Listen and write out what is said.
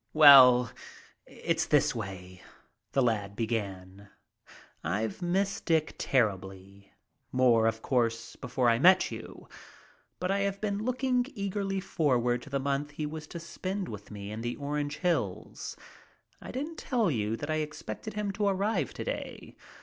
"Well, it's this way," the lad began. "I've missed Dick terribly, more, of course, before I met you, but I have been looking eagerly forward to the month he was to spend with me in the Orange Hills. I didn't tell you that I expected him to arrive today.